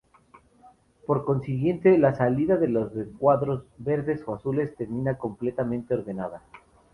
Por consiguiente, la salida de los recuadros verdes o azules termina completamente ordenada.